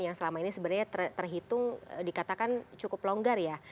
yang selama ini sebenarnya terhitung dikatakan cukup longgar ya